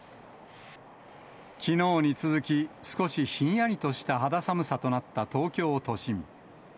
きのうに続き、少しひんやりとした肌寒さとなった東京都心。